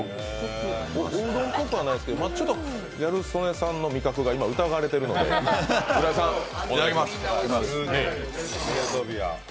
うどんぽくはないですけど、ちょっとギャル曽根さんの味覚が今、疑われているので浦井さん、お願いします。